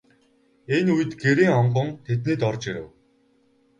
Энэ үед Гэрийн онгон тэднийд орж ирэв.